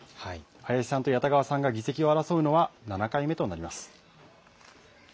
林さんと谷田川さんが議席を争うのは７回目となります。